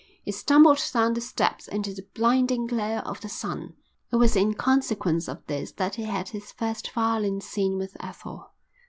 He stumbled down the steps into the blinding glare of the sun. It was in consequence of this that he had his first violent scene with Ethel.